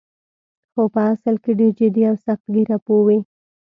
خو په اصل کې ډېر جدي او سخت ګیره پوه وې.